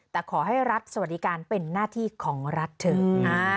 แต่ขอให้รัฐสวัสดิการเป็นหน้าที่ของรัฐเถอะ